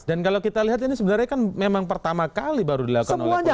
dan kalau kita lihat ini sebenarnya kan memang pertama kali baru dilakukan oleh polisi